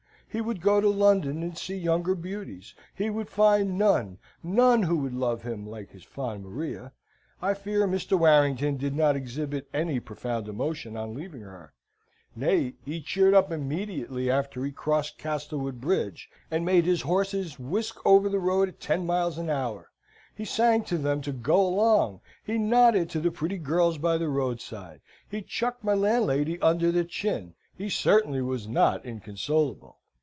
He would go to London, and see younger beauties: he would find none, none who would love him like his fond Maria. I fear Mr. Warrington did not exhibit any profound emotion on leaving her: nay, he cheered up immediately after he crossed Castlewood Bridge, and made his horses whisk over the road at ten miles an hour: he sang to them to go along: he nodded to the pretty girls by the roadside: he chucked my landlady under the chin: he certainly was not inconsolable.